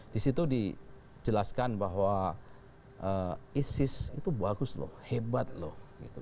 di situ dijelaskan bahwa isis itu bagus loh hebat loh